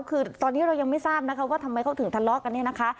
คือตอนนี้เรายังไม่ทราบนะคะว่าทำไมเขาถึงทะเลาะกันเนี่ยนะคะ